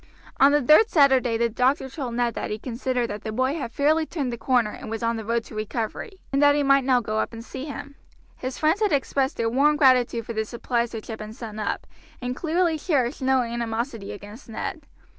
On the third Saturday the doctor told Ned that he considered that the boy had fairly turned the corner and was on the road to recovery, and that he might now go up and see him. His friends had expressed their warm gratitude for the supplies which had been sent up, and clearly cherished no animosity against Ned.